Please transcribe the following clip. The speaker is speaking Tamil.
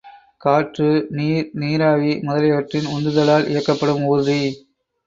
காற்று, நீர், நீராவி முதலியவற்றின் உந்துதலால் இயக்கப்படும் ஊர்தி.